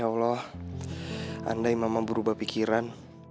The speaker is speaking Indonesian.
ya allah andai memang berubah pikiran